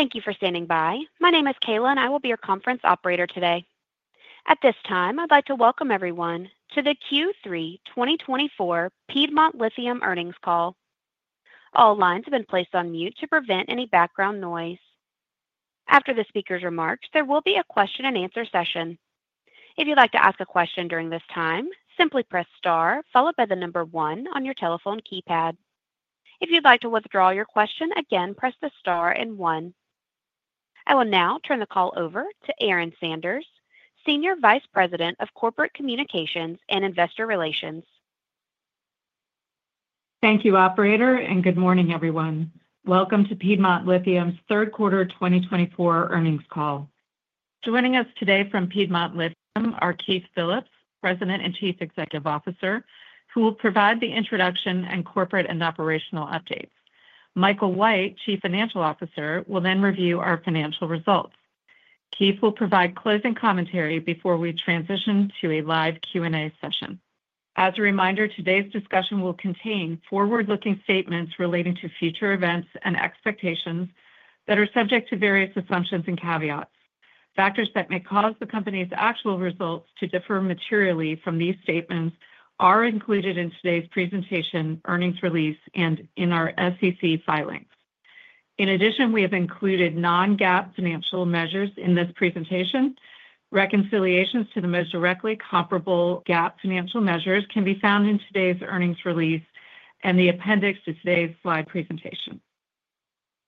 Thank you for standing by. My name is Kayla, and I will be your conference operator today. At this time, I'd like to welcome everyone to the Q3 2024 Piedmont Lithium Earnings Call. All lines have been placed on mute to prevent any background noise. After the speaker's remarks, there will be a question-and-answer session. If you'd like to ask a question during this time, simply press star followed by the number one on your telephone keypad. If you'd like to withdraw your question, again, press the star and one. I will now turn the call over to Erin Sanders, Senior Vice President of Corporate Communications and Investor Relations. Thank you, Operator, and good morning, everyone. Welcome to Piedmont Lithium's Q3 2024 Earnings Call. Joining us today from Piedmont Lithium are Keith Phillips, President and Chief Executive Officer, who will provide the introduction and corporate and operational updates. Michael White, Chief Financial Officer, will then review our financial results. Keith will provide closing commentary before we transition to a live Q&A session. As a reminder, today's discussion will contain forward-looking statements relating to future events and expectations that are subject to various assumptions and caveats. Factors that may cause the company's actual results to differ materially from these statements are included in today's presentation, earnings release, and in our SEC filings. In addition, we have included non-GAAP financial measures in this presentation. Reconciliations to the most directly comparable GAAP financial measures can be found in today's earnings release and the appendix to today's slide presentation.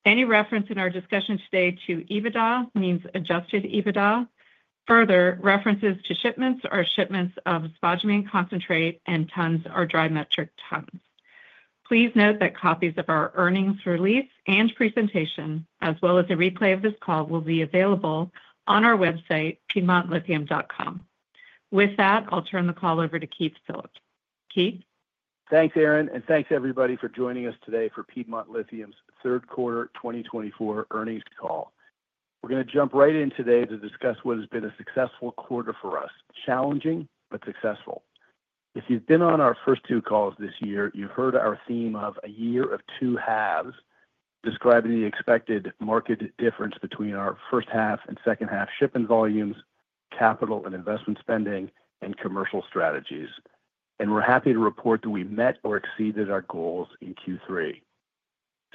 Any reference in our discussion today to EBITDA means Adjusted EBITDA. Further, references to shipments are shipments of spodumene concentrate and tons are dry metric tons. Please note that copies of our earnings release and presentation, as well as a replay of this call, will be available on our website, piedmontlithium.com. With that, I'll turn the call over to Keith Phillips. Keith. Thanks, Erin, and thanks, everybody, for joining us today for Piedmont Lithium's Q3 2024 Earnings Call. We're going to jump right in today to discuss what has been a successful quarter for us, challenging but successful. If you've been on our first two calls this year, you've heard our theme of a year of two halves, describing the expected market difference between our first half and second half shipment volumes, capital and investment spending, and commercial strategies. And we're happy to report that we met or exceeded our goals in Q3.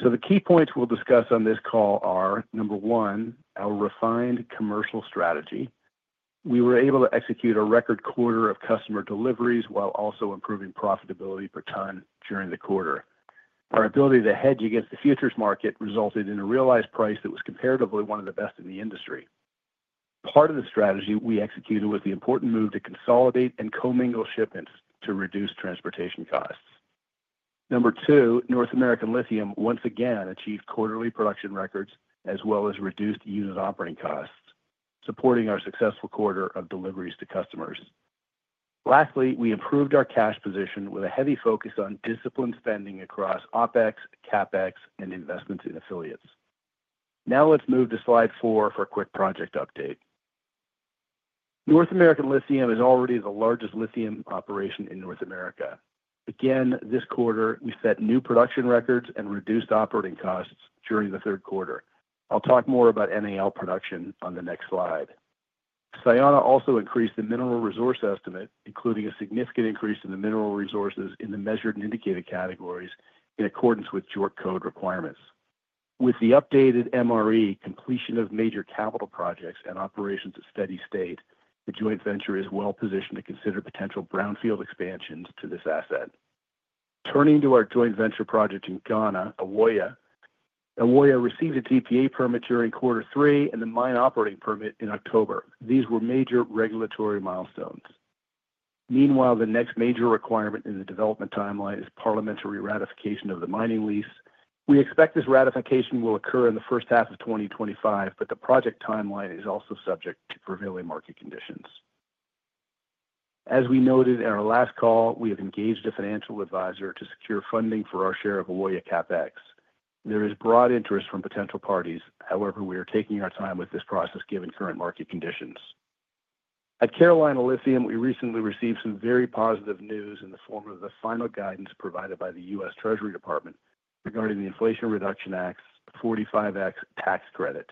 So the key points we'll discuss on this call are, number one, our refined commercial strategy. We were able to execute a record quarter of customer deliveries while also improving profitability per ton during the quarter. Our ability to hedge against the futures market resulted in a realized price that was comparatively one of the best in the industry. Part of the strategy we executed was the important move to consolidate and co-mingle shipments to reduce transportation costs. Number two, North American Lithium once again achieved quarterly production records as well as reduced unit operating costs, supporting our successful quarter of deliveries to customers. Lastly, we improved our cash position with a heavy focus on disciplined spending across OpEx, CapEx, and investments in affiliates. Now let's move to slide four for a quick project update. North American Lithium is already the largest lithium operation in North America. Again, this quarter, we set new production records and reduced operating costs during the Q3. I'll talk more about NAL production on the next slide. Sayona also increased the mineral resource estimate, including a significant increase in the mineral resources in the measured and indicated categories in accordance with JORC Code requirements. With the updated MRE, completion of major capital projects and operations at steady state, the joint venture is well positioned to consider potential brownfield expansions to this asset. Turning to our joint venture project in Ghana, Ewoyaa, Ewoyaa received a EPA permit during quarter three and the mine operating permit in October. These were major regulatory milestones. Meanwhile, the next major requirement in the development timeline is parliamentary ratification of the mining lease. We expect this ratification will occur in the first half of 2025, but the project timeline is also subject to prevailing market conditions. As we noted in our last call, we have engaged a financial advisor to secure funding for our share of Ewoyaa CapEx. There is broad interest from potential parties. However, we are taking our time with this process given current market conditions. At Carolina Lithium, we recently received some very positive news in the form of the final guidance provided by the U.S. Treasury Department regarding the Inflation Reduction Act's 45X tax credit.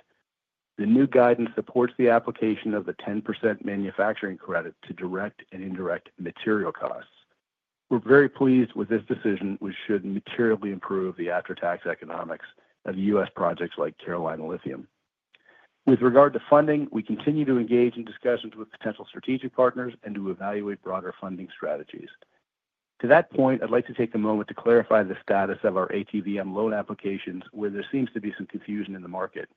The new guidance supports the application of the 10% manufacturing credit to direct and indirect material costs. We're very pleased with this decision, which should materially improve the after-tax economics of U.S. projects like Carolina Lithium. With regard to funding, we continue to engage in discussions with potential strategic partners and to evaluate broader funding strategies. To that point, I'd like to take a moment to clarify the status of our ATVM loan applications, where there seems to be some confusion in the market.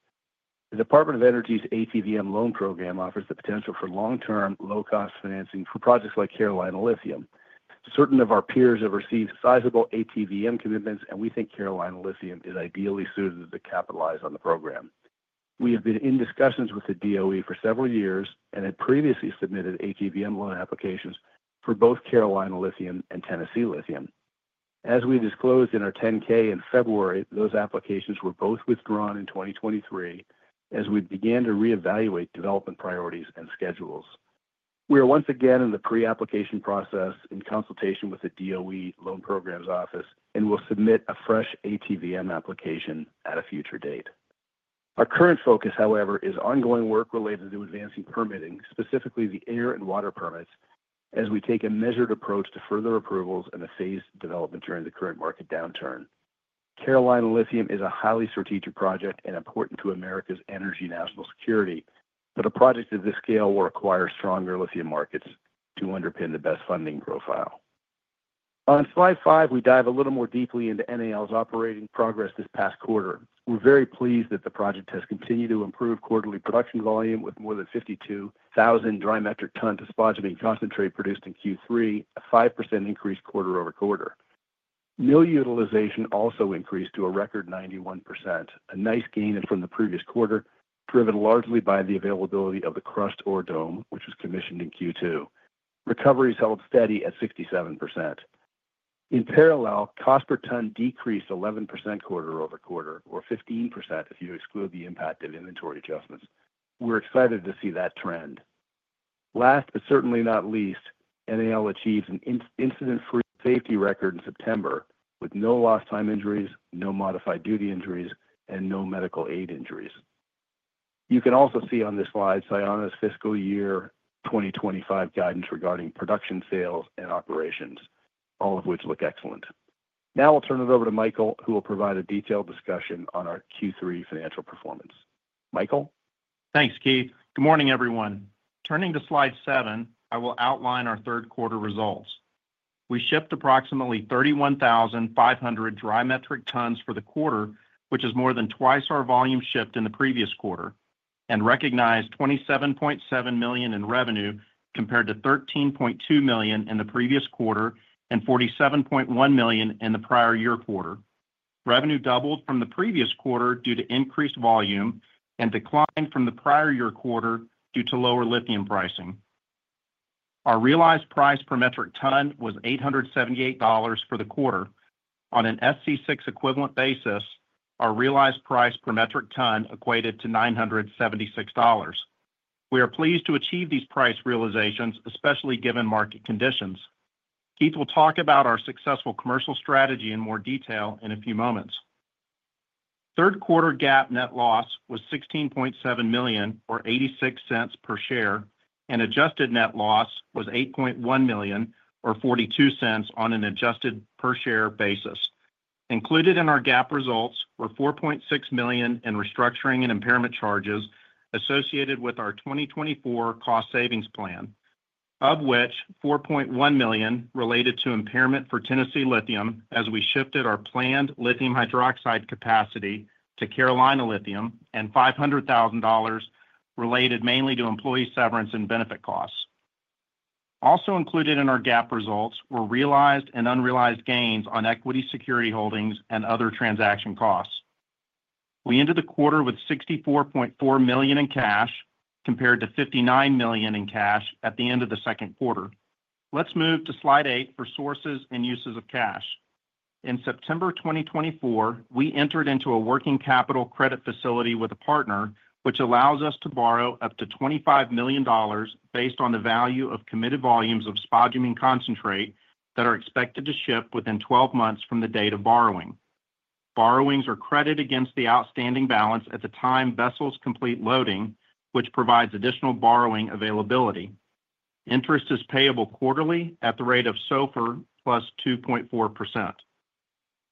The Department of Energy's ATVM loan program offers the potential for long-term low-cost financing for projects like Carolina Lithium. Certain of our peers have received sizable ATVM commitments, and we think Carolina Lithium is ideally suited to capitalize on the program. We have been in discussions with the DOE for several years and had previously submitted ATVM loan applications for both Carolina Lithium and Tennessee Lithium. As we disclosed in our 10-K in February, those applications were both withdrawn in 2023 as we began to reevaluate development priorities and schedules. We are once again in the pre-application process in consultation with the DOE Loan Programs Office and will submit a fresh ATVM application at a future date. Our current focus, however, is ongoing work related to advancing permitting, specifically the air and water permits, as we take a measured approach to further approvals and the phased development during the current market downturn. Carolina Lithium is a highly strategic project and important to America's energy national security, but a project of this scale will require stronger lithium markets to underpin the best funding profile. On slide five, we dive a little more deeply into NAL's operating progress this past quarter. We're very pleased that the project has continued to improve quarterly production volume with more than 52,000 dry metric tons of spodumene concentrate produced in Q3, a 5% increase quarter over quarter. Mill utilization also increased to a record 91%, a nice gain from the previous quarter, driven largely by the availability of the crushed ore dome, which was commissioned in Q2. Recovery is held steady at 67%. In parallel, cost per ton decreased 11% quarter over quarter, or 15% if you exclude the impact of inventory adjustments. We're excited to see that trend. Last but certainly not least, NAL achieved an incident-free safety record in September with no lost-time injuries, no modified duty injuries, and no medical aid injuries. You can also see on this slide Sayona's fiscal year 2025 guidance regarding production sales and operations, all of which look excellent. Now I'll turn it over to Michael, who will provide a detailed discussion on our Q3 financial performance. Michael. Thanks, Keith. Good morning, everyone. Turning to slide seven, I will outline our Q3 results. We shipped approximately 31,500 dry metric tons for the quarter, which is more than twice our volume shipped in the previous quarter, and recognized $27.7 million in revenue compared to $13.2 million in the previous quarter and $47.1 million in the prior year quarter. Revenue doubled from the previous quarter due to increased volume and declined from the prior year quarter due to lower lithium pricing. Our realized price per metric ton was $878 for the quarter. On an SC6 equivalent basis, our realized price per metric ton equated to $976. We are pleased to achieve these price realizations, especially given market conditions. Keith will talk about our successful commercial strategy in more detail in a few moments. Q3 GAAP net loss was $16.7 million, or $0.86 per share, and adjusted net loss was $8.1 million, or $0.42 on an adjusted per share basis. Included in our GAAP results were $4.6 million in restructuring and impairment charges associated with our 2024 cost savings plan, of which $4.1 million related to impairment for Tennessee Lithium as we shifted our planned lithium hydroxide capacity to Carolina Lithium and $500,000 related mainly to employee severance and benefit costs. Also included in our GAAP results were realized and unrealized gains on equity security holdings and other transaction costs. We ended the quarter with $64.4 million in cash compared to $59 million in cash at the end of the Q2. Let's move to slide eight for sources and uses of cash. In September 2024, we entered into a working capital credit facility with a partner, which allows us to borrow up to $25 million based on the value of committed volumes of spodumene concentrate that are expected to ship within 12 months from the date of borrowing. Borrowings are credited against the outstanding balance at the time vessels complete loading, which provides additional borrowing availability. Interest is payable quarterly at the rate of SOFR plus 2.4%.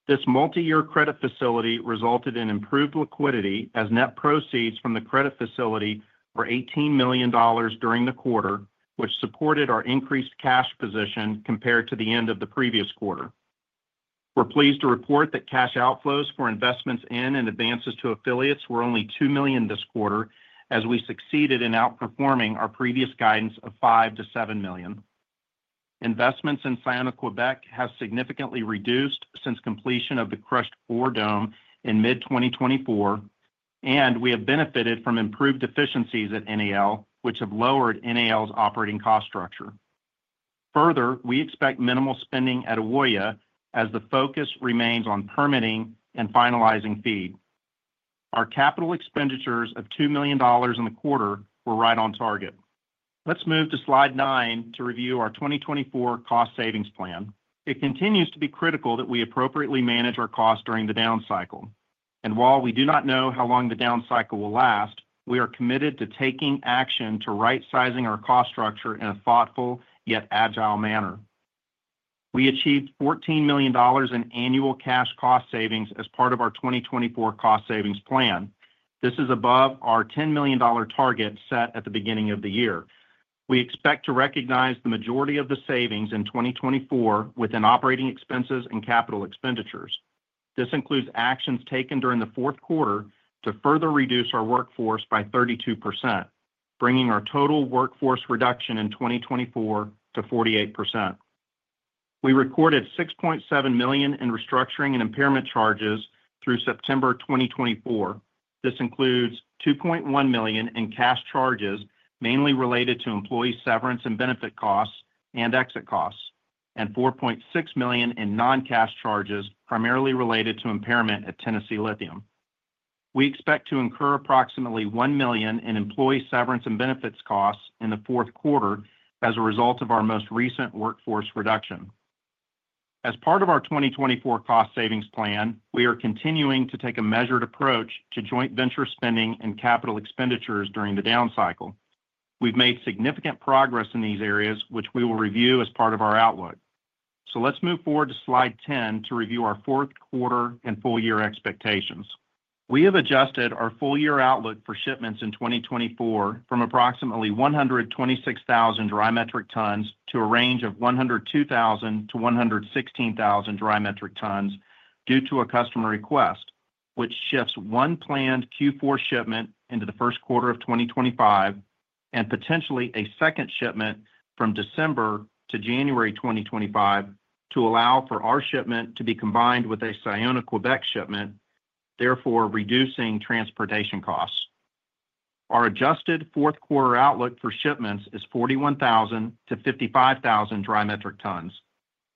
This multi-year credit facility resulted in improved liquidity as net proceeds from the credit facility were $18 million during the quarter, which supported our increased cash position compared to the end of the previous quarter. We're pleased to report that cash outflows for investments in and advances to affiliates were only $2 million this quarter, as we succeeded in outperforming our previous guidance of $5 million-$7 million. Investments in Sayona Québec have significantly reduced since completion of the crushed ore dome in mid-2024, and we have benefited from improved efficiencies at NAL, which have lowered NAL's operating cost structure. Further, we expect minimal spending at Ewoyaa as the focus remains on permitting and finalizing feed. Our capital expenditures of $2 million in the quarter were right on target. Let's move to slide nine to review our 2024 cost savings plan. It continues to be critical that we appropriately manage our costs during the down cycle, and while we do not know how long the down cycle will last, we are committed to taking action to right-sizing our cost structure in a thoughtful yet agile manner. We achieved $14 million in annual cash cost savings as part of our 2024 cost savings plan. This is above our $10 million target set at the beginning of the year. We expect to recognize the majority of the savings in 2024 within operating expenses and capital expenditures. This includes actions taken during the Q4 to further reduce our workforce by 32%, bringing our total workforce reduction in 2024 to 48%. We recorded $6.7 million in restructuring and impairment charges through September 2024. This includes $2.1 million in cash charges, mainly related to employee severance and benefit costs and exit costs, and $4.6 million in non-cash charges, primarily related to impairment at Tennessee Lithium. We expect to incur approximately $1 million in employee severance and benefits costs in the Q4 as a result of our most recent workforce reduction. As part of our 2024 cost savings plan, we are continuing to take a measured approach to joint venture spending and capital expenditures during the down cycle. We've made significant progress in these areas, which we will review as part of our outlook. So let's move forward to slide 10 to review our Q4 and full year expectations. We have adjusted our full year outlook for shipments in 2024 from approximately 126,000 dry metric tons to a range of 102,000 to 116,000 dry metric tons due to a customer request, which shifts one planned Q4 shipment into the Q1 of 2025 and potentially a second shipment from December to January 2025 to allow for our shipment to be combined with a Sayona Quebec shipment, therefore reducing transportation costs. Our adjusted Q4 outlook for shipments is 41,000 to 55,000 dry metric tons.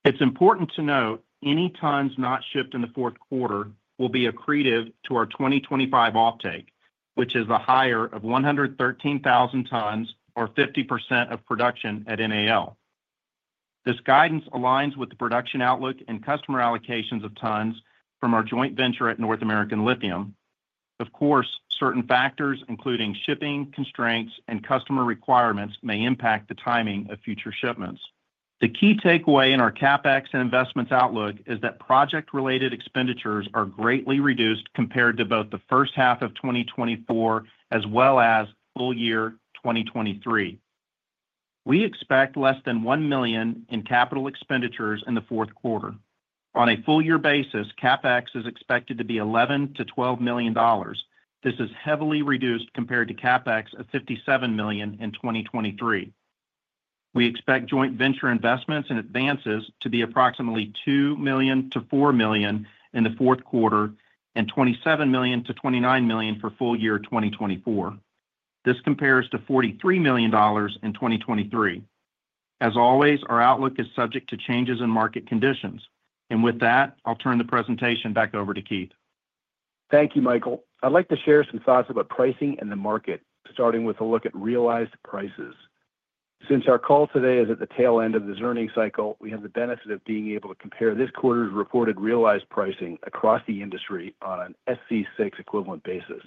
It's important to note any tons not shipped in the Q4 will be accretive to our 2025 offtake, which is the higher of 113,000 tons, or 50% of production at NAL. This guidance aligns with the production outlook and customer allocations of tons from our joint venture at North American Lithium. Of course, certain factors, including shipping constraints and customer requirements, may impact the timing of future shipments. The key takeaway in our CapEx and investments outlook is that project-related expenditures are greatly reduced compared to both the first half of 2024 as well as full year 2023. We expect less than $1 million in capital expenditures in the Q4. On a full year basis, CapEx is expected to be $11-$12 million. This is heavily reduced compared to CapEx of $57 million in 2023. We expect joint venture investments and advances to be approximately $2-$4 million in the Q4 and $27-$29 million for full year 2024. This compares to $43 million in 2023. As always, our outlook is subject to changes in market conditions, and with that, I'll turn the presentation back over to Keith. Thank you, Michael. I'd like to share some thoughts about pricing and the market, starting with a look at realized prices. Since our call today is at the tail end of this earnings cycle, we have the benefit of being able to compare this quarter's reported realized pricing across the industry on an SC6 equivalent basis.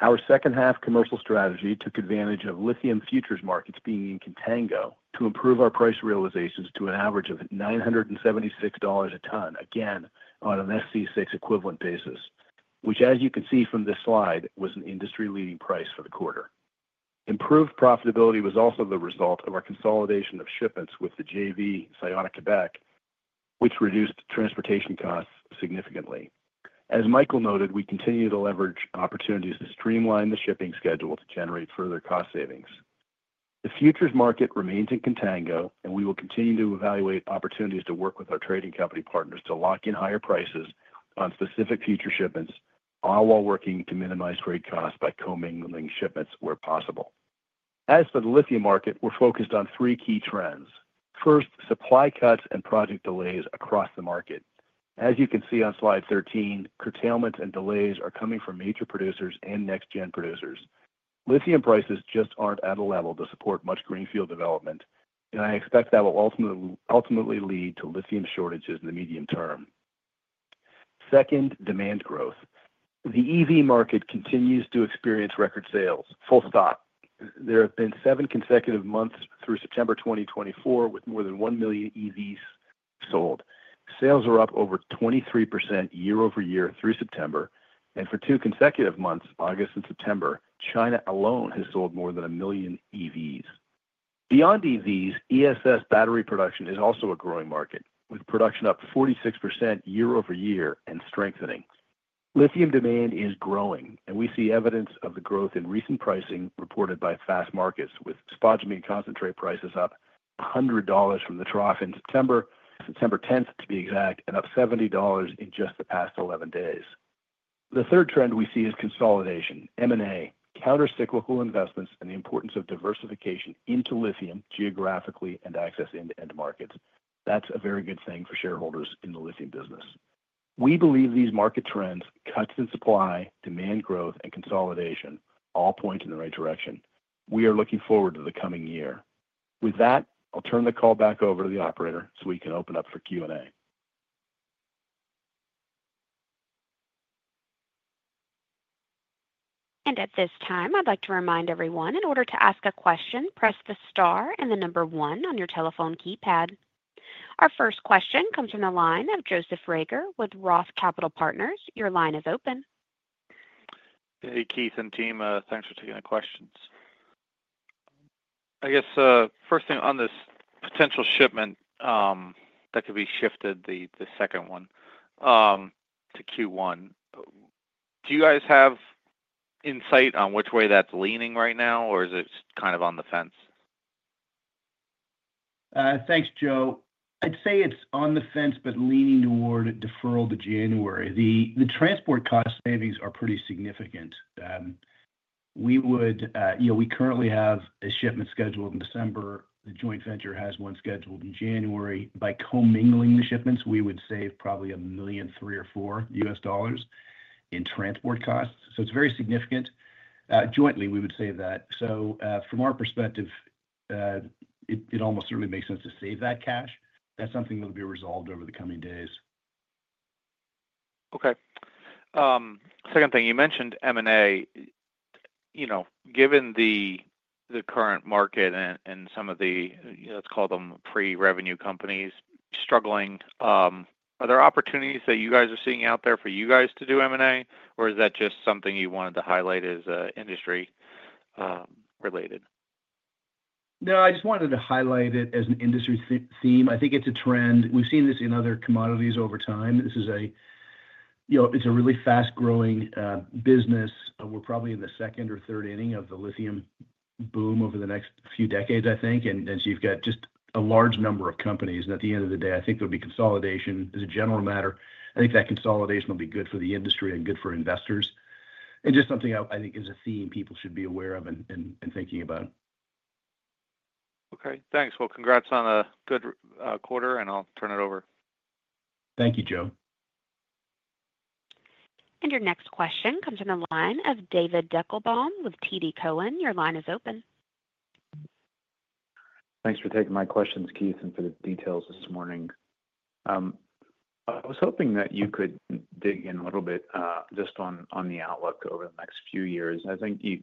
Our second-half commercial strategy took advantage of lithium futures markets being in contango to improve our price realizations to an average of $976 a ton, again on an SC6 equivalent basis, which, as you can see from this slide, was an industry-leading price for the quarter. Improved profitability was also the result of our consolidation of shipments with the JV Sayona Quebec, which reduced transportation costs significantly. As Michael noted, we continue to leverage opportunities to streamline the shipping schedule to generate further cost savings. The futures market remains in contango, and we will continue to evaluate opportunities to work with our trading company partners to lock in higher prices on specific future shipments, all while working to minimize trade costs by commingling shipments where possible. As for the lithium market, we're focused on three key trends. First, supply cuts and project delays across the market. As you can see on slide 13, curtailments and delays are coming from major producers and next-gen producers. Lithium prices just aren't at a level to support much greenfield development, and I expect that will ultimately lead to lithium shortages in the medium term. Second, demand growth. The EV market continues to experience record sales. Full stop. There have been seven consecutive months through September 2024 with more than 1 million EVs sold. Sales are up over 23% year over year through September, and for two consecutive months, August and September, China alone has sold more than a million EVs. Beyond EVs, ESS battery production is also a growing market, with production up 46% year over year and strengthening. Lithium demand is growing, and we see evidence of the growth in recent pricing reported by Fastmarkets, with spodumene concentrate prices up $100 from the trough in September, September 10th to be exact, and up $70 in just the past 11 days. The third trend we see is consolidation, M&A, countercyclical investments, and the importance of diversification into lithium geographically and access into end-to-end markets. That's a very good thing for shareholders in the lithium business. We believe these market trends, cuts in supply, demand growth, and consolidation all point in the right direction. We are looking forward to the coming year. With that, I'll turn the call back over to the operator so we can open up for Q&A. At this time, I'd like to remind everyone in order to ask a question, press the star and the number one on your telephone keypad. Our first question comes from the line of Joseph Reagor with Roth Capital Partners. Your line is open. Hey, Keith and team, thanks for taking the questions. I guess first thing on this potential shipment that could be shifted, the second one to Q1. Do you guys have insight on which way that's leaning right now, or is it kind of on the fence? Thanks, Joe. I'd say it's on the fence, but leaning toward deferral to January. The transport cost savings are pretty significant. We would, you know, we currently have a shipment scheduled in December. The joint venture has one scheduled in January. By commingling the shipments, we would save probably $1.3 million-$4 million in transport costs. So it's very significant. Jointly, we would save that. So from our perspective, it almost certainly makes sense to save that cash. That's something that'll be resolved over the coming days. Okay. Second thing, you mentioned M&A. You know, given the current market and some of the, let's call them pre-revenue companies struggling, are there opportunities that you guys are seeing out there for you guys to do M&A, or is that just something you wanted to highlight as an industry-related? No, I just wanted to highlight it as an industry theme. I think it's a trend. We've seen this in other commodities over time. This is a, you know, it's a really fast-growing business. We're probably in the second or third inning of the lithium boom over the next few decades, I think. And you've got just a large number of companies. And at the end of the day, I think there'll be consolidation as a general matter. I think that consolidation will be good for the industry and good for investors. And just something I think is a theme people should be aware of and thinking about. Okay. Thanks. Well, congrats on a good quarter, and I'll turn it over. Thank you, Joe. Your next question comes from the line of David Deckelbaum with TD Cowen. Your line is open. Thanks for taking my questions, Keith, and for the details this morning. I was hoping that you could dig in a little bit just on the outlook over the next few years. I think you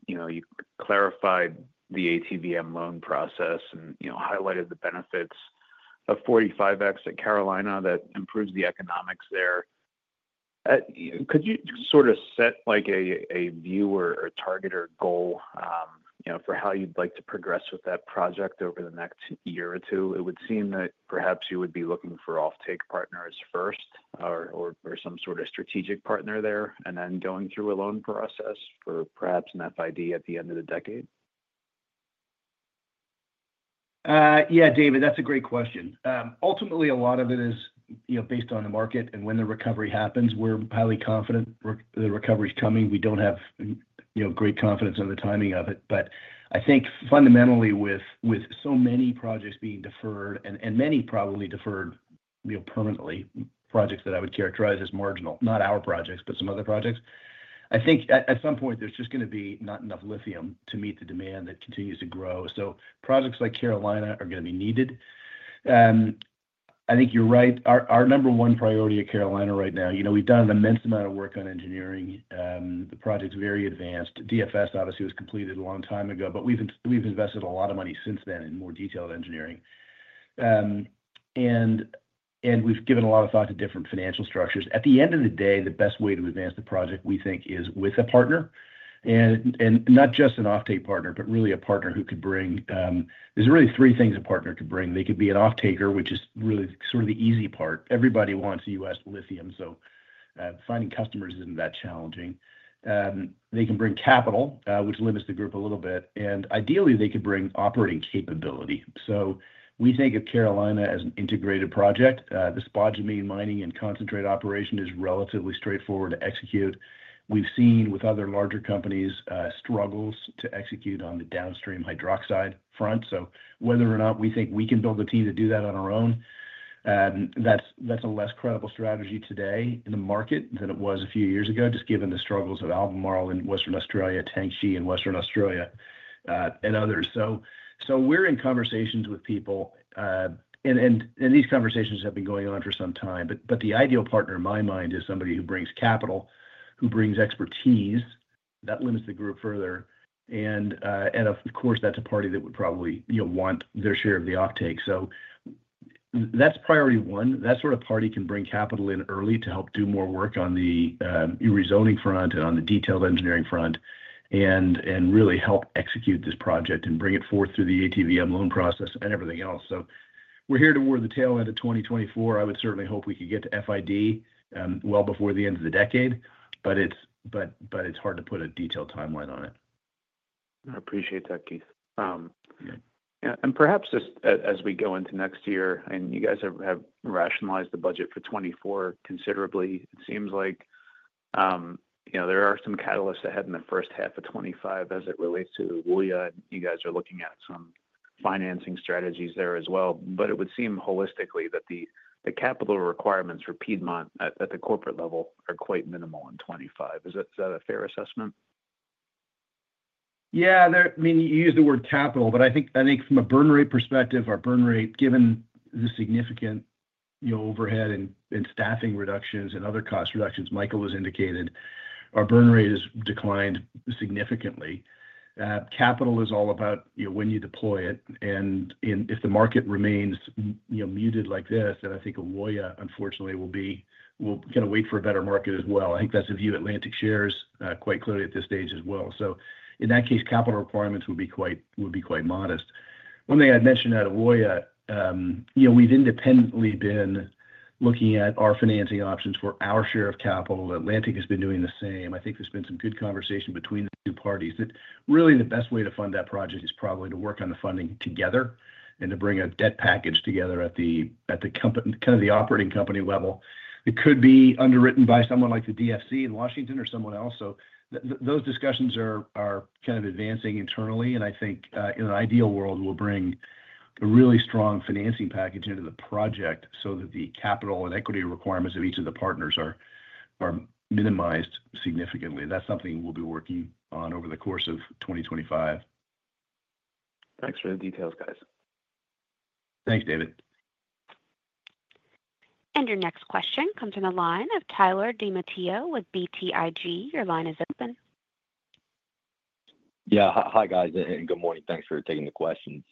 clarified the ATVM loan process and highlighted the benefits of 45X at Carolina that improves the economics there. Could you sort of set a view or target or goal for how you'd like to progress with that project over the next year or two? It would seem that perhaps you would be looking for offtake partners first or some sort of strategic partner there, and then going through a loan process for perhaps an FID at the end of the decade. Yeah, David, that's a great question. Ultimately, a lot of it is based on the market and when the recovery happens. We're highly confident the recovery is coming. We don't have great confidence in the timing of it. But I think fundamentally, with so many projects being deferred and many probably deferred permanently, projects that I would characterize as marginal, not our projects, but some other projects, I think at some point there's just going to be not enough lithium to meet the demand that continues to grow. So projects like Carolina are going to be needed. I think you're right. Our number one priority at Carolina right now, you know, we've done an immense amount of work on engineering. The project is very advanced. DFS obviously was completed a long time ago, but we've invested a lot of money since then in more detailed engineering. And we've given a lot of thought to different financial structures. At the end of the day, the best way to advance the project, we think, is with a partner. And not just an offtake partner, but really a partner who could bring, there's really three things a partner could bring. They could be an offtaker, which is really sort of the easy part. Everybody wants U.S. lithium, so finding customers isn't that challenging. They can bring capital, which limits the group a little bit. And ideally, they could bring operating capability. So we think of Carolina as an integrated project. The spodumene mining and concentrate operation is relatively straightforward to execute. We've seen with other larger companies struggles to execute on the downstream hydroxide front. So whether or not we think we can build a team to do that on our own, that's a less credible strategy today in the market than it was a few years ago, just given the struggles of Albemarle in Western Australia, Tianqi and Western Australia and others. So we're in conversations with people, and these conversations have been going on for some time. But the ideal partner in my mind is somebody who brings capital, who brings expertise. That limits the group further. And of course, that's a party that would probably want their share of the offtake. So that's priority one. That sort of party can bring capital in early to help do more work on the rezoning front and on the detailed engineering front and really help execute this project and bring it forth through the ATVM loan process and everything else. We're nearing the tail end of 2024. I would certainly hope we could get to FID well before the end of the decade, but it's hard to put a detailed timeline on it. I appreciate that, Keith. And perhaps just as we go into next year, and you guys have rationalized the budget for 2024 considerably, it seems like there are some catalysts ahead in the first half of 2025 as it relates to the Ewoyaa. You guys are looking at some financing strategies there as well. But it would seem holistically that the capital requirements for Piedmont at the corporate level are quite minimal in 2025. Is that a fair assessment? Yeah. I mean, you use the word capital, but I think from a burn rate perspective, our burn rate, given the significant overhead and staffing reductions and other cost reductions Michael has indicated, our burn rate has declined significantly. Capital is all about when you deploy it, and if the market remains muted like this, then I think Ewoyaa, unfortunately, will kind of wait for a better market as well. I think that's a view Atlantic shares quite clearly at this stage as well, so in that case, capital requirements would be quite modest. One thing I'd mention about Ewoyaa, we've independently been looking at our financing options for our share of capital. Atlantic has been doing the same. I think there's been some good conversation between the two parties that really the best way to fund that project is probably to work on the funding together and to bring a debt package together at the kind of operating company level. It could be underwritten by someone like the DFC in Washington or someone else so those discussions are kind of advancing internally, and I think in an ideal world, we'll bring a really strong financing package into the project so that the capital and equity requirements of each of the partners are minimized significantly. That's something we'll be working on over the course of 2025. Thanks for the details, guys. Thanks, David. And your next question comes from the line of Tyler DiMatteo with BTIG. Your line is open. Yeah. Hi, guys, and good morning. Thanks for taking the questions.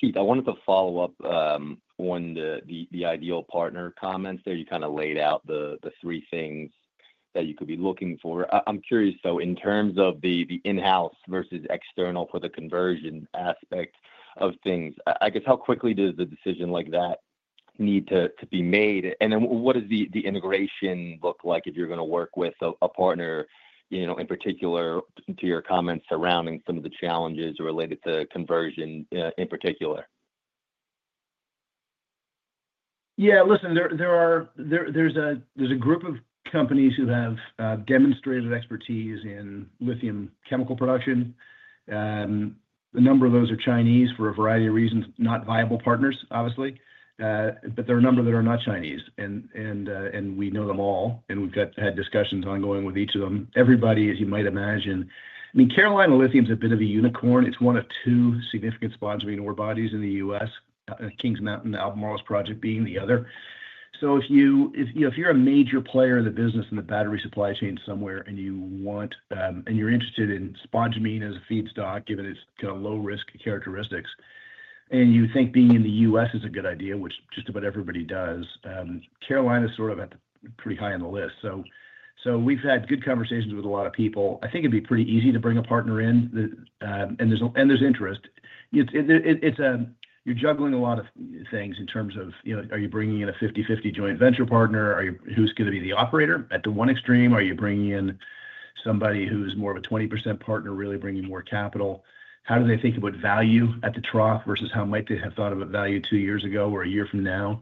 Keith, I wanted to follow up on the ideal partner comments there. You kind of laid out the three things that you could be looking for. I'm curious, though, in terms of the in-house versus external for the conversion aspect of things, I guess, how quickly does a decision like that need to be made? And then what does the integration look like if you're going to work with a partner in particular to your comments surrounding some of the challenges related to conversion in particular? Yeah. Listen, there's a group of companies who have demonstrated expertise in lithium chemical production. A number of those are Chinese for a variety of reasons, not viable partners, obviously. But there are a number that are not Chinese, and we know them all, and we've had discussions ongoing with each of them. Everybody, as you might imagine, I mean, Carolina Lithium is a bit of a unicorn. It's one of two significant spodumene ore bodies in the U.S., Kings Mountain Albemarle's project being the other. So if you're a major player in the business in the battery supply chain somewhere and you want and you're interested in spodumene as a feedstock, given its kind of low-risk characteristics, and you think being in the U.S. is a good idea, which just about everybody does, Carolina is sort of pretty high on the list. So we've had good conversations with a lot of people. I think it'd be pretty easy to bring a partner in, and there's interest. You're juggling a lot of things in terms of, are you bringing in a 50/50 joint venture partner? Who's going to be the operator at the one extreme? Are you bringing in somebody who's more of a 20% partner, really bringing more capital? How do they think about value at the trough versus how might they have thought about value two years ago or a year from now?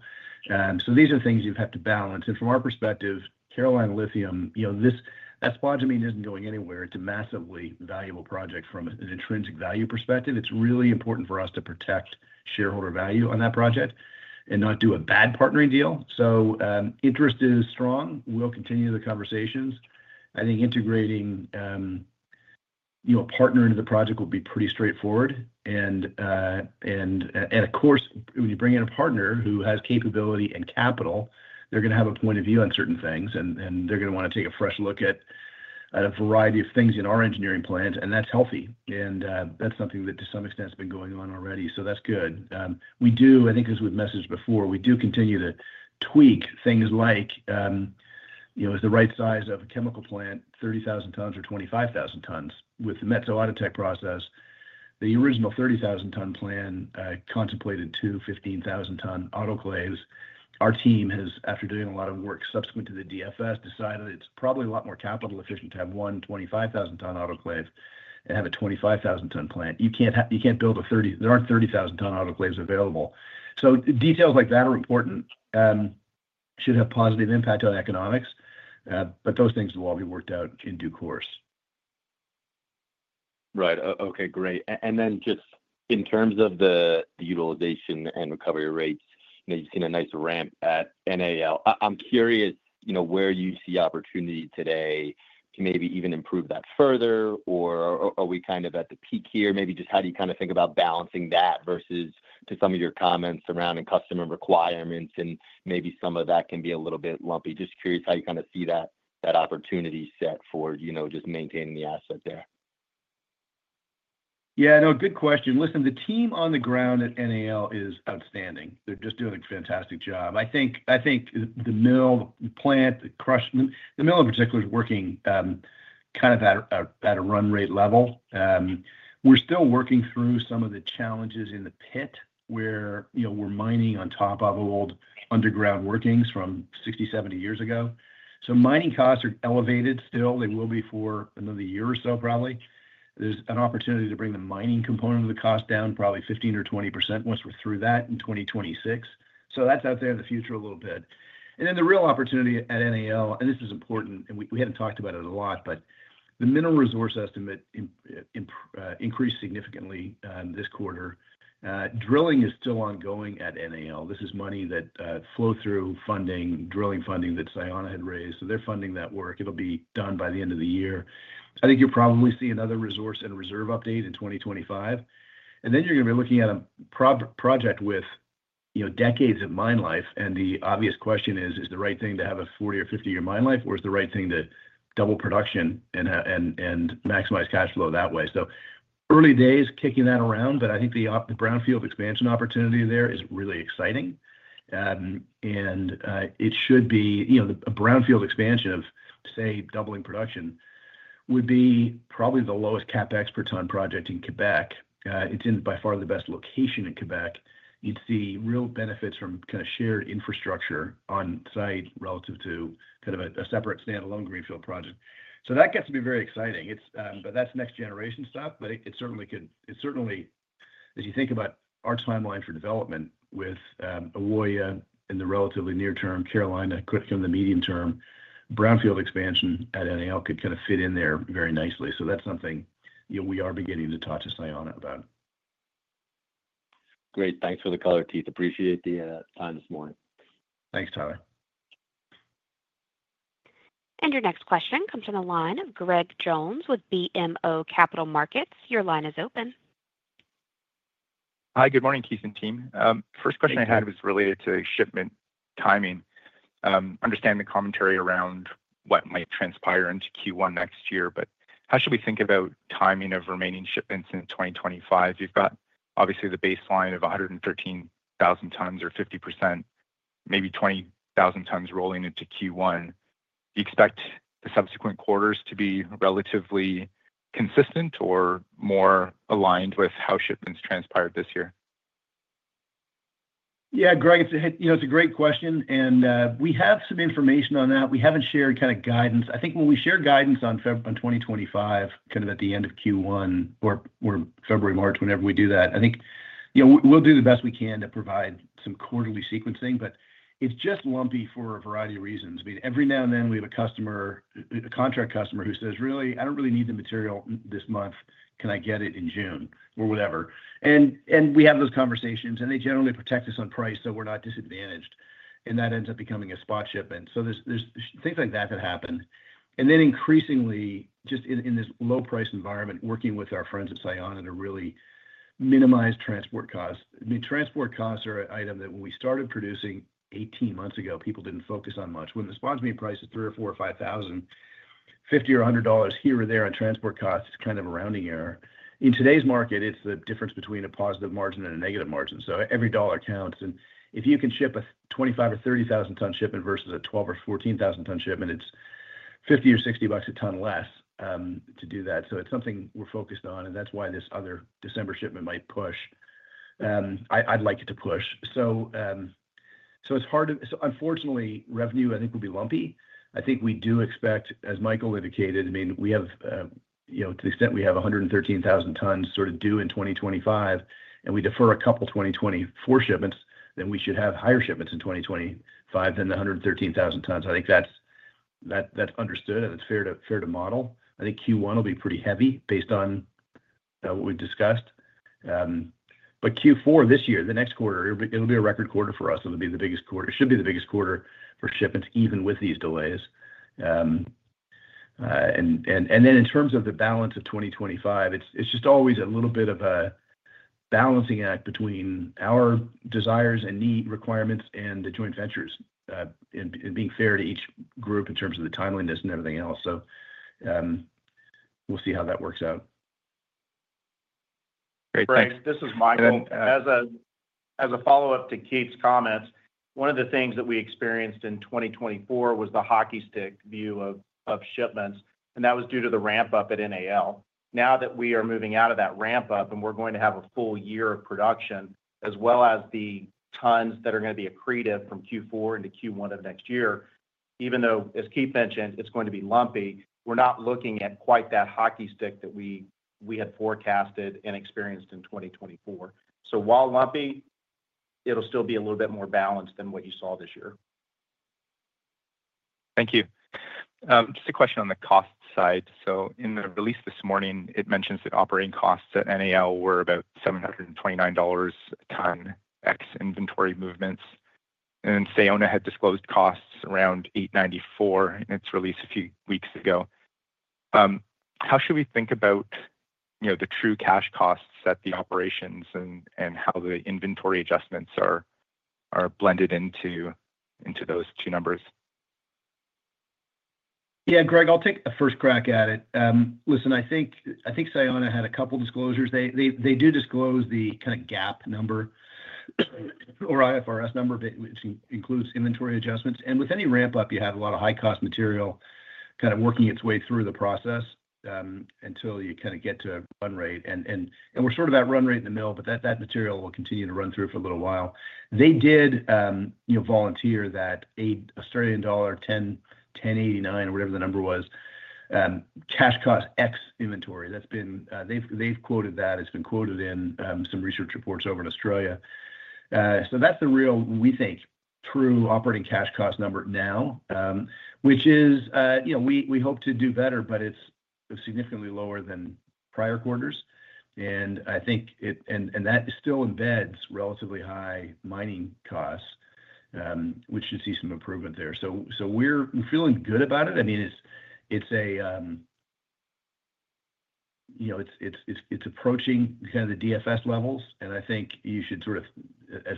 So these are things you have to balance. And from our perspective, Carolina Lithium, that spodumene isn't going anywhere. It's a massively valuable project from an intrinsic value perspective. It's really important for us to protect shareholder value on that project and not do a bad partnering deal. So interest is strong. We'll continue the conversations. I think integrating a partner into the project will be pretty straightforward, and of course, when you bring in a partner who has capability and capital, they're going to have a point of view on certain things, and they're going to want to take a fresh look at a variety of things in our engineering plans, and that's healthy, and that's something that to some extent has been going on already, so that's good. We do, I think, as we've messaged before, we do continue to tweak things like the right size of a chemical plant, 30,000 tons or 25,000 tons. With the Metso Outotec process, the original 30,000-ton plan contemplated two 15,000-ton autoclaves. Our team has, after doing a lot of work subsequent to the DFS, decided it's probably a lot more capital-efficient to have one 25,000-ton autoclave and have a 25,000-ton plant. You can't build a 30,000-ton autoclave. There aren't 30,000-ton autoclaves available. So details like that are important. Should have positive impact on economics, but those things will all be worked out in due course. Right. Okay. Great. And then just in terms of the utilization and recovery rates, you've seen a nice ramp at NAL. I'm curious where you see opportunity today to maybe even improve that further, or are we kind of at the peak here? Maybe just how do you kind of think about balancing that versus to some of your comments surrounding customer requirements, and maybe some of that can be a little bit lumpy. Just curious how you kind of see that opportunity set for just maintaining the asset there. Yeah. No, good question. Listen, the team on the ground at NAL is outstanding. They're just doing a fantastic job. I think the mill, the plant, the crush, the mill in particular is working kind of at a run rate level. We're still working through some of the challenges in the pit where we're mining on top of old underground workings from 60, 70 years ago. So mining costs are elevated still. They will be for another year or so, probably. There's an opportunity to bring the mining component of the cost down probably 15%-20% once we're through that in 2026. So that's out there in the future a little bit. And then the real opportunity at NAL, and this is important, and we haven't talked about it a lot, but the mineral resource estimate increased significantly this quarter. Drilling is still ongoing at NAL. This is money that flow-through funding, drilling funding that Sayona had raised. So they're funding that work. It'll be done by the end of the year. I think you'll probably see another resource and reserve update in 2025. And then you're going to be looking at a project with decades of mine life. And the obvious question is, is the right thing to have a 40- or 50-year mine life, or is the right thing to double production and maximize cash flow that way? So early days kicking that around, but I think the brownfield expansion opportunity there is really exciting. And it should be a brownfield expansion of, say, doubling production would be probably the lowest CapEx per ton project in Quebec. It's in by far the best location in Quebec. You'd see real benefits from kind of shared infrastructure on site relative to kind of a separate standalone greenfield project, so that gets to be very exciting. But that's next-generation stuff, but it certainly could, as you think about our timeline for development with Ewoyaa in the relatively near term, Carolina could come in the medium term. Brownfield expansion at NAL could kind of fit in there very nicely, so that's something we are beginning to talk to Sayona about. Great. Thanks for the color, Keith. Appreciate the time this morning. Thanks, Tyler. Your next question comes from the line of Greg Jones with BMO Capital Markets. Your line is open. Hi, good morning, Keith and team. First question I had was related to shipment timing. Understand the commentary around what might transpire into Q1 next year, but how should we think about timing of remaining shipments in 2025? You've got obviously the baseline of 113,000 tons or 50%, maybe 20,000 tons rolling into Q1. Do you expect the subsequent quarters to be relatively consistent or more aligned with how shipments transpired this year? Yeah, Greg, it's a great question. And we have some information on that. We haven't shared kind of guidance. I think when we share guidance on 2025, kind of at the end of Q1 or February, March, whenever we do that, I think we'll do the best we can to provide some quarterly sequencing, but it's just lumpy for a variety of reasons. I mean, every now and then, we have a contract customer who says, "Really, I don't really need the material this month. Can I get it in June?" or whatever. And we have those conversations, and they generally protect us on price so we're not disadvantaged. And that ends up becoming a spot ship. And so there's things like that that happen. And then increasingly, just in this low-priced environment, working with our friends at Sayona to really minimize transport costs. I mean, transport costs are an item that when we started producing 18 months ago, people didn't focus on much. When the spodumene price is $3,000 or $4,000 or $5,000, $50 or $100 here or there on transport costs, it's kind of a rounding error. In today's market, it's the difference between a positive margin and a negative margin. So every dollar counts. And if you can ship a 25,000- or 30,000-ton shipment versus a 12,000- or 14,000-ton shipment, it's $50 or $60 a ton less to do that. So it's something we're focused on, and that's why this other December shipment might push. I'd like it to push. Unfortunately, revenue, I think, will be lumpy. I think we do expect, as Michael indicated, I mean, we have, to the extent we have 113,000 tons sort of due in 2025, and we defer a couple 2024 shipments, then we should have higher shipments in 2025 than the 113,000 tons. I think that's understood, and it's fair to model. I think Q1 will be pretty heavy based on what we've discussed but Q4 this year, the next quarter, it'll be a record quarter for us. It'll be the biggest quarter. It should be the biggest quarter for shipments, even with these delays and then in terms of the balance of 2025, it's just always a little bit of a balancing act between our desires and need requirements and the joint ventures and being fair to each group in terms of the timeliness and everything else so we'll see how that works out. Great. Thanks. This is Michael, and as a follow-up to Keith's comments, one of the things that we experienced in 2024 was the hockey stick view of shipments, and that was due to the ramp-up at NAL. Now that we are moving out of that ramp-up and we're going to have a full year of production, as well as the tons that are going to be accretive from Q4 into Q1 of next year, even though, as Keith mentioned, it's going to be lumpy, we're not looking at quite that hockey stick that we had forecasted and experienced in 2024, so while lumpy, it'll still be a little bit more balanced than what you saw this year. Thank you. Just a question on the cost side. So in the release this morning, it mentions that operating costs at NAL were about $729 a ton ex inventory movements. And Sayona had disclosed costs around $894 in its release a few weeks ago. How should we think about the true cash costs at the operations and how the inventory adjustments are blended into those two numbers? Yeah, Greg, I'll take the first crack at it. Listen, I think Sayona had a couple disclosures. They do disclose the kind of GAAP number or IFRS number, which includes inventory adjustments. With any ramp-up, you have a lot of high-cost material kind of working its way through the process until you kind of get to a run rate. We're sort of at run rate in the mill, but that material will continue to run through for a little while. They did volunteer that 1089 Australian dollar, or whatever the number was, cash cost ex inventory. They've quoted that. It's been quoted in some research reports over in Australia. So that's the real, we think, true operating cash cost number now, which we hope to do better, but it's significantly lower than prior quarters. I think that still embeds relatively high mining costs, which should see some improvement there. We're feeling good about it. I mean, it's approaching kind of the DFS levels. I think you should sort of,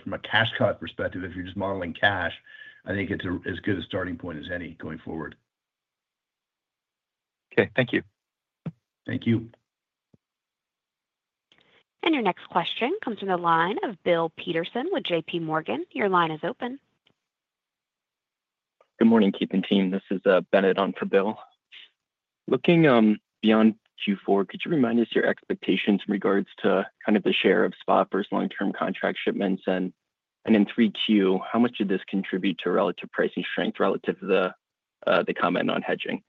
from a cash cost perspective, if you're just modeling cash, I think it's as good a starting point as any going forward. Okay. Thank you. Thank you. Your next question comes from the line of Bill Peterson with J.P. Morgan. Your line is open. Good morning, Keith and team. This is Bennett on for Bill. Looking beyond Q4, could you remind us your expectations in regards to kind of the share of spot versus long-term contract shipments? And in 3Q, how much did this contribute to relative pricing strength relative to the comment on hedging?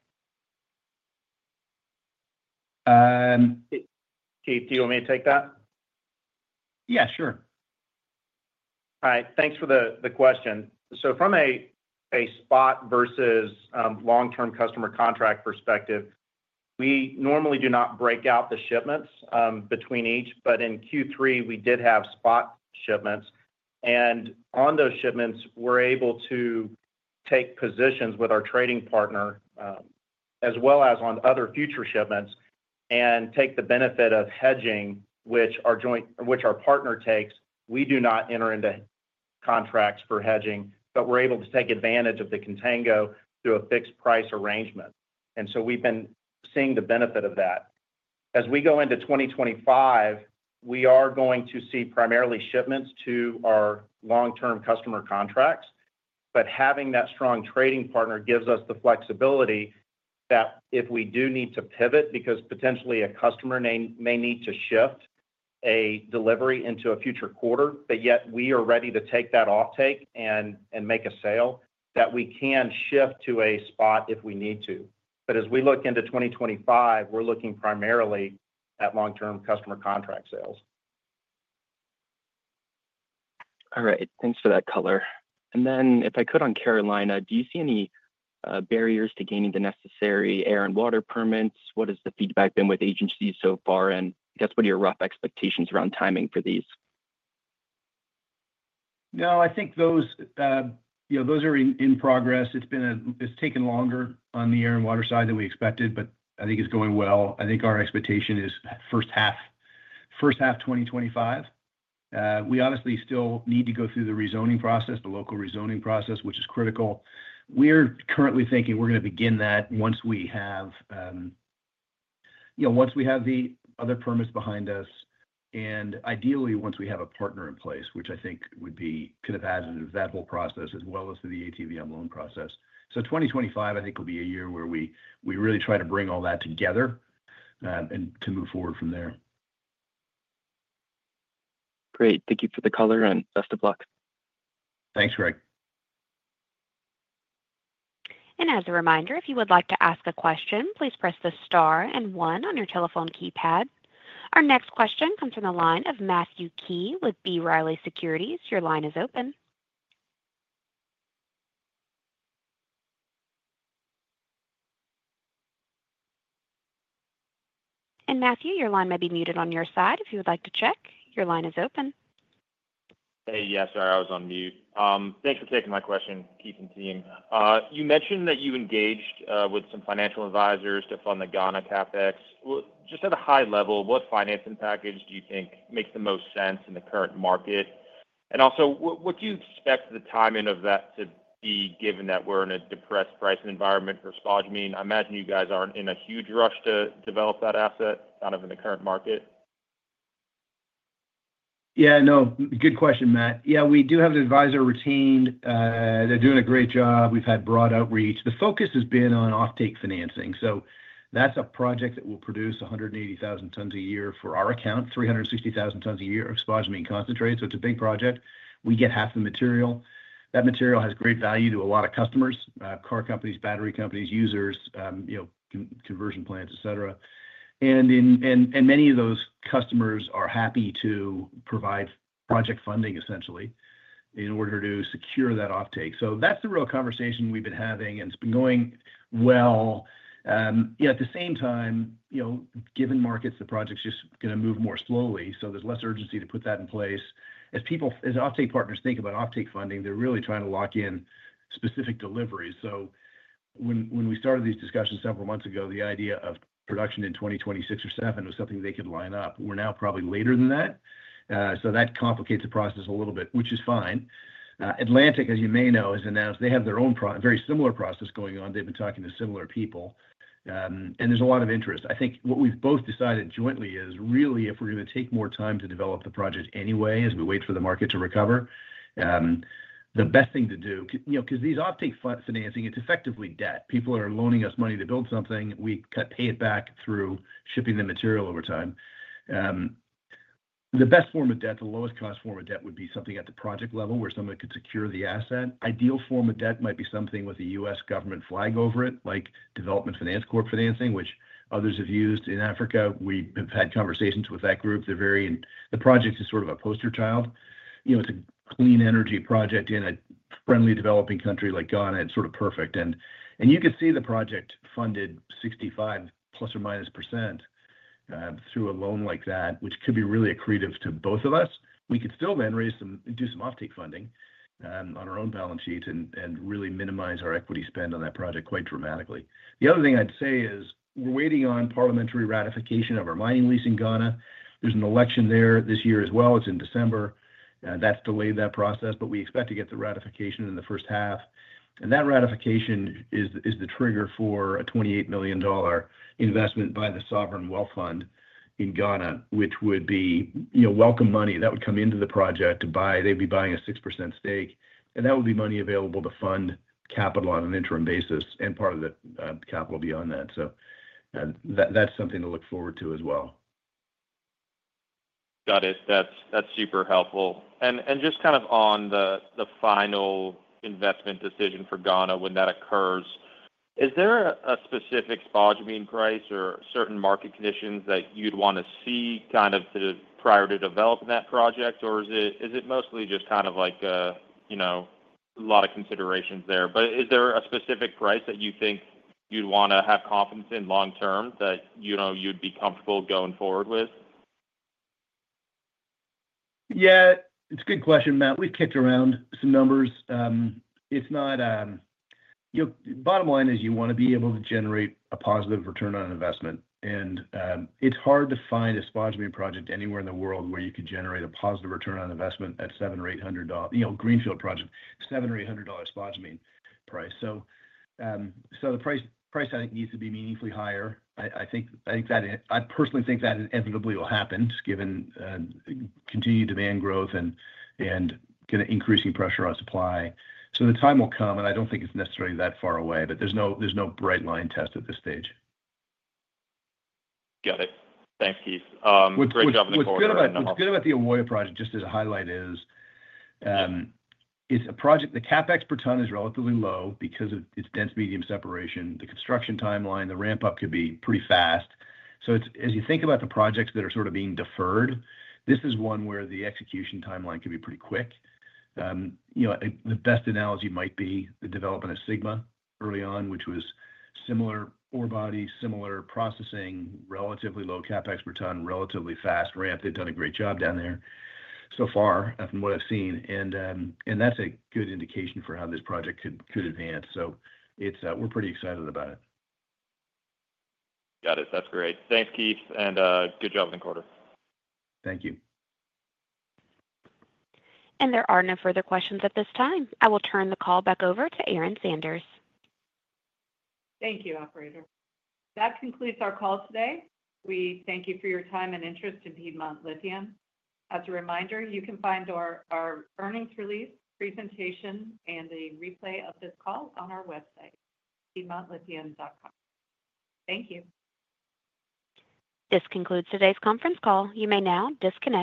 Keith, do you want me to take that? Yeah, sure. All right. Thanks for the question. So from a spot versus long-term customer contract perspective, we normally do not break out the shipments between each. But in Q3, we did have spot shipments. And on those shipments, we're able to take positions with our trading partner, as well as on other future shipments, and take the benefit of hedging, which our partner takes. We do not enter into contracts for hedging, but we're able to take advantage of the contango through a fixed price arrangement. And so we've been seeing the benefit of that. As we go into 2025, we are going to see primarily shipments to our long-term customer contracts. But having that strong trading partner gives us the flexibility that if we do need to pivot, because potentially a customer may need to shift a delivery into a future quarter, but yet we are ready to take that off-take and make a sale, that we can shift to a spot if we need to. But as we look into 2025, we're looking primarily at long-term customer contract sales. All right. Thanks for that color. And then if I could, on Carolina, do you see any barriers to gaining the necessary air and water permits? What has the feedback been with agencies so far? And I guess what are your rough expectations around timing for these? No, I think those are in progress. It's taken longer on the air and water side than we expected, but I think it's going well. I think our expectation is first half 2025. We obviously still need to go through the rezoning process, the local rezoning process, which is critical. We're currently thinking we're going to begin that once we have the other permits behind us, and ideally once we have a partner in place, which I think could have added to that whole process as well as to the ATVM loan process. So 2025, I think, will be a year where we really try to bring all that together and to move forward from there. Great. Thank you for the color, and best of luck. Thanks, Greg. As a reminder, if you would like to ask a question, please press the star and one on your telephone keypad. Our next question comes from the line of Matthew Key with B. Riley Securities. Your line is open. Matthew, your line may be muted on your side. If you would like to check, your line is open. Hey, yes, sir. I was on mute. Thanks for taking my question, Keith and team. You mentioned that you engaged with some financial advisors to fund the Ghana CapEx. Just at a high level, what financing package do you think makes the most sense in the current market? And also, what do you expect the timing of that to be, given that we're in a depressed pricing environment for spodumene? I imagine you guys aren't in a huge rush to develop that asset kind of in the current market. Yeah, no. Good question, Matt. Yeah, we do have an advisor retained. They're doing a great job. We've had broad outreach. The focus has been on off-take financing. So that's a project that will produce 180,000 tons a year for our account, 360,000 tons a year of spodumene concentrate. So it's a big project. We get half the material. That material has great value to a lot of customers: car companies, battery companies, users, conversion plants, etc. And many of those customers are happy to provide project funding, essentially, in order to secure that off-take. So that's the real conversation we've been having, and it's been going well. At the same time, given markets, the project's just going to move more slowly, so there's less urgency to put that in place. As off-take partners think about off-take funding, they're really trying to lock in specific deliveries. So when we started these discussions several months ago, the idea of production in 2026 or 2027 was something they could line up. We're now probably later than that. So that complicates the process a little bit, which is fine. Atlantic, as you may know, has announced they have their own very similar process going on. They've been talking to similar people, and there's a lot of interest. I think what we've both decided jointly is really if we're going to take more time to develop the project anyway as we wait for the market to recover, the best thing to do because these off-take financing, it's effectively debt. People are loaning us money to build something. We pay it back through shipping the material over time. The best form of debt, the lowest cost form of debt, would be something at the project level where somebody could secure the asset. Ideal form of debt might be something with a U.S. government flag over it, like DFC financing, which others have used in Africa. We have had conversations with that group. The project is sort of a poster child. It's a clean energy project in a friendly developing country like Ghana. It's sort of perfect. And you could see the project funded 65% plus or minus through a loan like that, which could be really accretive to both of us. We could still then do some off-take funding on our own balance sheet and really minimize our equity spend on that project quite dramatically. The other thing I'd say is we're waiting on parliamentary ratification of our mining lease in Ghana. There's an election there this year as well. It's in December. That's delayed that process, but we expect to get the ratification in the first half. And that ratification is the trigger for a $28 million investment by the sovereign wealth fund in Ghana, which would be welcome money that would come into the project to buy. They'd be buying a 6% stake, and that would be money available to fund capital on an interim basis and part of the capital beyond that. So that's something to look forward to as well. Got it. That's super helpful, and just kind of on the final investment decision for Ghana, when that occurs, is there a specific spodumene price or certain market conditions that you'd want to see kind of prior to developing that project? Or is it mostly just kind of like a lot of considerations there, but is there a specific price that you think you'd want to have confidence in long-term that you'd be comfortable going forward with? Yeah. It's a good question, Matt. We've kicked around some numbers. It's not. Bottom line is you want to be able to generate a positive return on investment. And it's hard to find a spodumene project anywhere in the world where you could generate a positive return on investment at a $700-$800 greenfield project, $700-$800 spodumene price. So the price, I think, needs to be meaningfully higher. I think that I personally think that inevitably will happen given continued demand growth and kind of increasing pressure on supply. So the time will come, and I don't think it's necessarily that far away, but there's no bright line test at this stage. Got it. Thanks, Keith. Great job on the quarterly. What's good about the Ewoyaa project, just as a highlight, is it's a project the CapEx per ton is relatively low because of its dense medium separation. The construction timeline, the ramp-up could be pretty fast. So as you think about the projects that are sort of being deferred, this is one where the execution timeline could be pretty quick. The best analogy might be the development of Sigma early on, which was similar ore body, similar processing, relatively low CapEx per ton, relatively fast ramp. They've done a great job down there so far from what I've seen. And that's a good indication for how this project could advance. So we're pretty excited about it. Got it. That's great. Thanks, Keith. And good job on the quarter. Thank you. There are no further questions at this time. I will turn the call back over to Erin Sanders. Thank you, Operator. That concludes our call today. We thank you for your time and interest in Piedmont Lithium. As a reminder, you can find our earnings release, presentation, and the replay of this call on our website, piedmontlithium.com. Thank you. This concludes today's conference call. You may now disconnect.